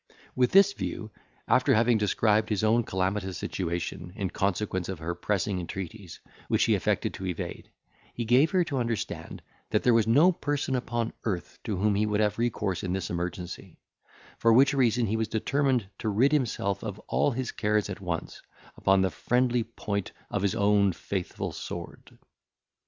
With this view, after having described his own calamitous situation, in consequence of her pressing entreaties, which he affected to evade, he gave her to understand, that there was no person upon earth to whom he would have recourse in this emergency; for which reason he was determined to rid himself of all his cares at once, upon the friendly point of his own faithful sword.